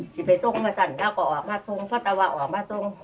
ชิ้นไปต้นไว้ก็ออกมาจงเราว่าออกมาส่งพะตะวะออกมาจง